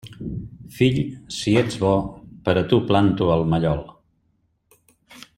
Fill, si ets bo, per a tu planto el mallol.